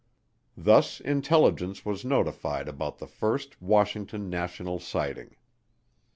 Thus intelligence was notified about the first Washington national sighting.